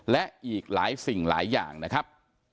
และอีกหลายสิ่งหลายอย่างนะครับ